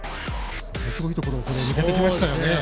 ものすごいところ抜けてきましたよね。